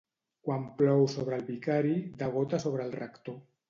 Quan plou sobre el vicari, degota sobre el rector.